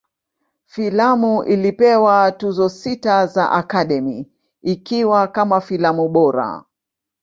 Filamu ilipewa Tuzo sita za Academy, ikiwa kama filamu bora.